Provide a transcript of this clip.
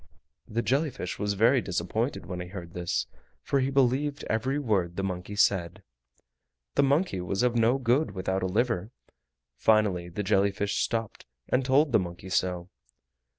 The jelly fish was very disappointed when he heard this, for he believed every word the monkey said. The monkey was of no good without a liver. Finally the jelly fish stopped and told the monkey so.